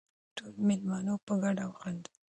ټولو مېلمنو په ګډه وخندل.